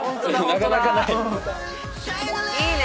なかなかない。